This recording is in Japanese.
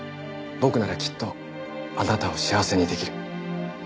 僕ならきっとあなたを幸せに出来る。